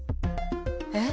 えっ？